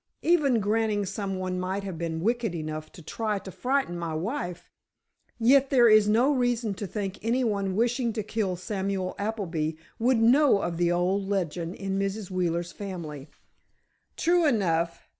Even granting somebody might have been wicked enough to try to frighten my wife, yet there is no reason to think any one wishing to kill Samuel Appleby would know of the old legend in Mrs. Wheeler's family." "True enough.